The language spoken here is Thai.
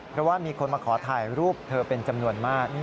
เพราะว่ามีคนมาขอถ่ายรูปเธอเป็นจำนวนมาก